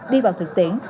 đi vào thực tiễn